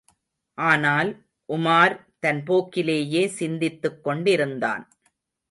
ஆனால், உமார் தன் போக்கிலேயே சிந்தித்துக் கொண்டிருந்தான்.